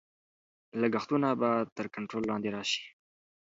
لګښتونه به تر کنټرول لاندې راشي.